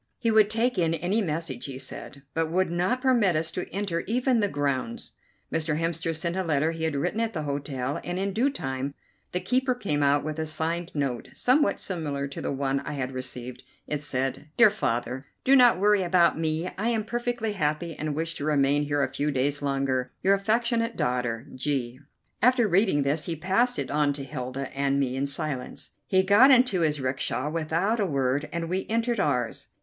He would take in any message, he said, but would not permit us to enter even the grounds. Mr. Hemster sent a letter he had written at the hotel, and in due time the keeper came out with a signed note, somewhat similar to the one I had received. It said: "DEAR FATHER: "Do not worry about me; I am perfectly happy and wish to remain here a few days longer. "Your affectionate daughter, "G." After reading this he passed it on to Hilda and me in silence. He got into his 'rickshaw without a word, and we entered ours.